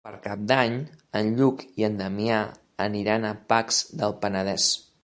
Per Cap d'Any en Lluc i en Damià aniran a Pacs del Penedès.